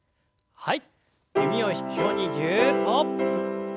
はい。